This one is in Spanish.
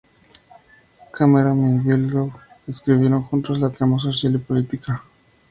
Cameron y Bigelow escribieron juntos la trama social y política.